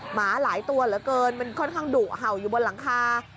หมาหลายตัวเหลือเกินมันค่อนข้างดุเห่าอยู่บนหลังคา